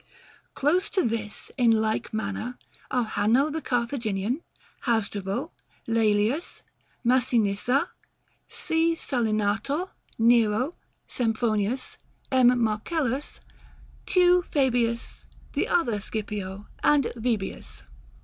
Close to this, in like manner, are Hanno the Carthaginian, Hasdrubal, Laelius, Massinissa, C. Salinator, Nero, Sempronius, M. Marcellus, Q. Fabius, the other Scipio, and Vibius.